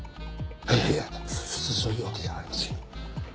いやいやそういうわけじゃありません。